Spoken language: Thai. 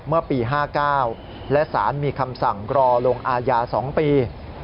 เมื่อปี๕๙และสารมีคำสั่งรอลงอาญา๒ปี